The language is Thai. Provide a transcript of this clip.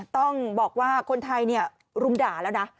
ต้องบอกว่าคนไทยรุมด่าแล้วนะ